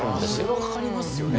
それはかかりますよね。